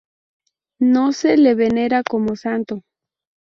No se le venera como santo.